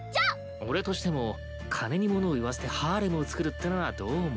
俺としても金にものをいわせてハーレムをつくるってのはどうも。